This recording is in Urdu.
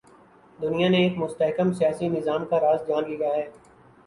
دنیا نے ایک مستحکم سیاسی نظام کا راز جان لیا ہے۔